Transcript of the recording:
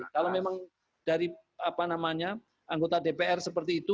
kalau memang dari anggota dpr seperti itu